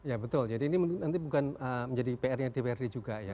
ya betul jadi ini nanti bukan menjadi pr nya dprd juga ya